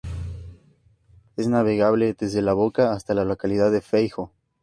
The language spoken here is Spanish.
Es navegable desde la boca hasta la localidad de Feijó.